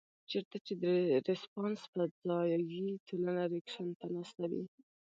چرته چې د رسپانس پۀ ځائے ټولنه رېکشن ته ناسته وي